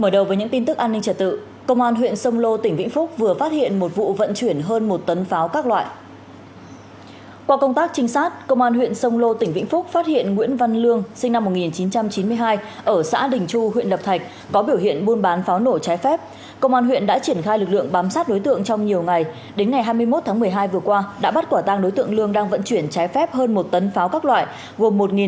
công an huyện sông lô tỉnh vĩnh phúc vừa phát hiện vụ vận chuyển hơn một tấn pháo các loại